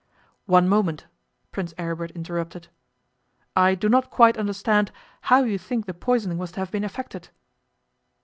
'One moment,' Prince Aribert interrupted. 'I do not quite understand how you think the poisoning was to have been effected.